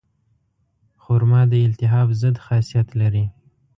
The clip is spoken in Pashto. خرما د التهاب ضد خاصیت لري.